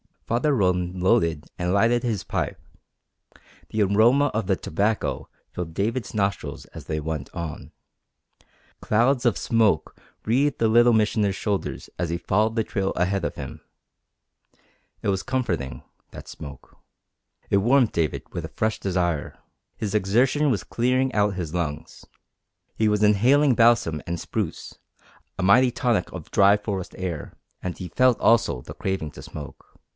Father Roland loaded and lighted his pipe. The aroma of the tobacco filled David's nostrils as they went on. Clouds of smoke wreathed the Little Missioner's shoulders as he followed the trail ahead of him. It was comforting, that smoke. It warmed David with a fresh desire. His exertion was clearing out his lungs. He was inhaling balsam and spruce, a mighty tonic of dry forest air, and he felt also the craving to smoke.